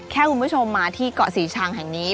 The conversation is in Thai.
คุณผู้ชมมาที่เกาะศรีชังแห่งนี้